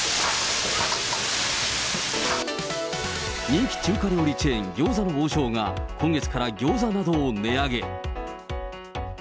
人気中華料理チェーン、餃子の王将が、今月から餃子などを値上げ。